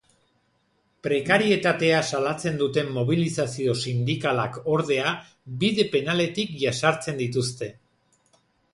Prekarietatea salatzen duten mobilizazio sindikalak, ordea, bide penaletik jazartzen dituzte.